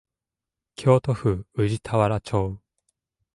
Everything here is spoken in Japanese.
京都府宇治田原町